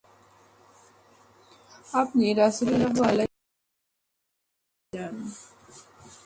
আপনি রাসূলুল্লাহ সাল্লাল্লাহু আলাইহি ওয়াসাল্লাম-এর কাছে যান।